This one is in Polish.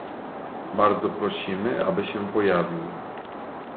Bardzo prosimy, aby się pojawił